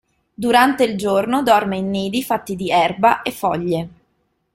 Durante il giorno dorme in nidi fatti di erba e foglie.